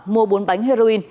mua bốn bánh heroin